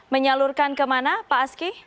menyalurkan kemana pak aski